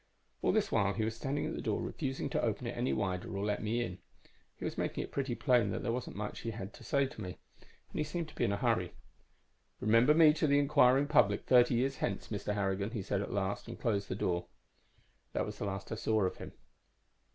"All this while he was standing at the door, refusing to open it any wider or to let me in. He was making it pretty plain that there wasn't much he had to say to me. And he seemed to be in a hurry. "'Remember me to the inquiring public thirty years hence, Mr. Harrigan,' he said at last, and closed the door. "That was the last I saw of him."